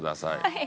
はい。